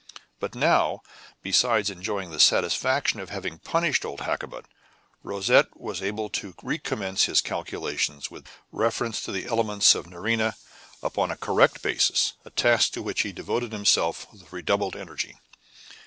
But now, besides enjoying the satisfaction of having punished old Hakkabut, Rosette was able to recommence his calculations with reference to the elements of Nerina upon a correct basis, a task to which he devoted himself with redoubled energy.